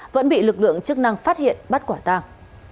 vẫn bị lực lượng chức năng phát hiện bắt quả tàng